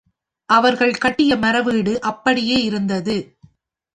அவர்கள் கட்டிய மரவீடு அப்படியே இருந்தது.